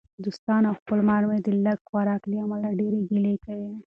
دوستان او خپلوان مې د لږ خوراک له امله ډېرې ګیلې کوي.